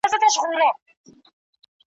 د زلمو ویني بهیږي د بوډا په وینو سور دی `